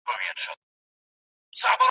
ایا مهاراجا به دا کالي شاه شجاع ته ورکړي؟